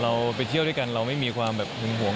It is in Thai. เราไปเที่ยวด้วยกันเราไม่มีความแบบหึงห่วง